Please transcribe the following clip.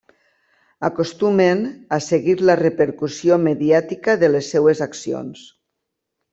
Acostumen a seguir la repercussió mediàtica de les seves accions.